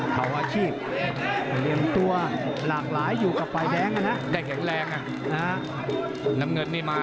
เขาอาชีพเหลี่ยมตัวหลากหลายอยู่กับฝ่ายแดงได้แข็งแรงน้ำเงินนี่มา